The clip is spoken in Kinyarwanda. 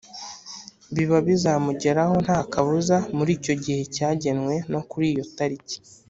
biba bizamugeraho nta kabuza muri icyo gihe cyagenwe no kuri iyo tariki.